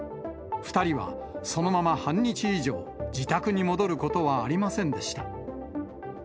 ２人はそのまま半日以上、自宅に戻ることはありませんでした。